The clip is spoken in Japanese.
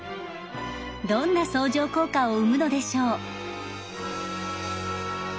どんな相乗効果を生むのでしょう。